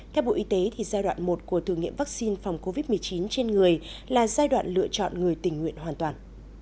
theo bộ y tế giai đoạn một của thử nghiệm vaccine phòng covid một mươi chín trên người là giai đoạn lựa chọn người tình nguyện hoàn toàn